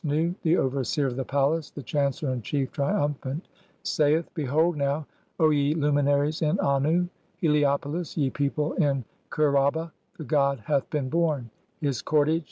Nu, the overseer of the palace, the chancellor in chief, trium phant, saith :— "Behold now, O ye luminaries in Annu (Heliopolis), ye people 'in (2) Kher aba, the god hath been born ; his cordage